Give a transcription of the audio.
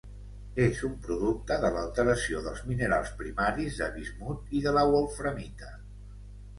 És un producte de l'alteració dels minerals primaris de bismut i de la wolframita.